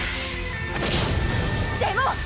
でも！